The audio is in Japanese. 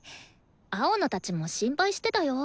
青野たちも心配してたよ。